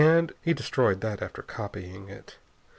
He destroyed that after copying it.